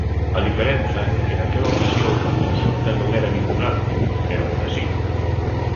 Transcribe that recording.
A diferenza é que naquela ocasión a consulta non era vinculante e agora si.